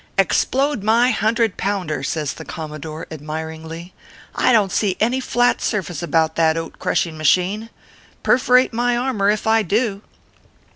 "Explode my hundred pounder !" says the Commodore, admiringly, " I don t see any flat surface about that oat crushing machine. Perforate my armor, if I do